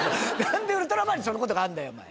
何でウルトラマンにそんなことがあるんだよお前。